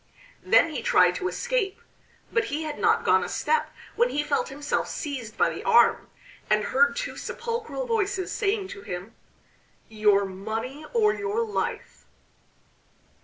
Then he tried to escape. But he had not gone a step when he felt himself seized by the arm, and heard two sepulchral voices saying to him: "Your money or your life!"